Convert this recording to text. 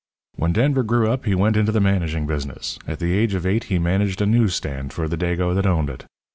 "When Denver grew up, he went into the managing business. At the age of eight he managed a news stand for the Dago that owned it.